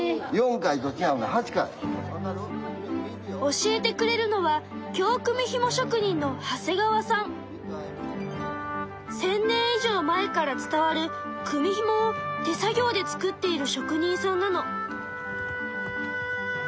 教えてくれるのは１，０００年以上前から伝わるくみひもを手作業で作っている職人さんなの。